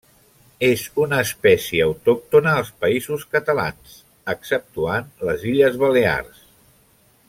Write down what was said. És una espècie autòctona als Països Catalans exceptuant les Illes Balears.